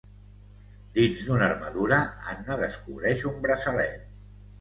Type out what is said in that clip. Dins d'una armadura, Anna descobreix un braçalet.